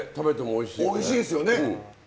おいしいですよね！